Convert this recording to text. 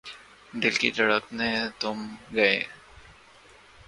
دل کی دھڑکنیں تھم گئیں۔